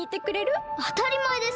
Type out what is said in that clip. あたりまえです！